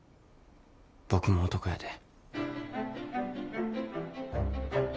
僕も男やで。